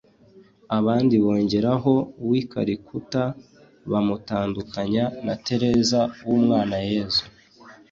abandi bongeraho w’i Calicutta bamutandukanya na Tereza w’u Mwana Yezu